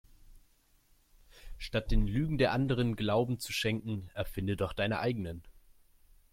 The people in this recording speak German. Statt den Lügen der Anderen Glauben zu schenken erfinde doch deine eigenen.